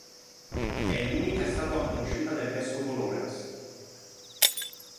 È l'unica statua conosciuta del vescovo Laurence.